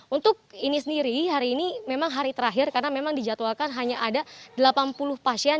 untuk ini sendiri hari ini memang hari terakhir karena memang dijadwalkan hanya ada delapan puluh pasien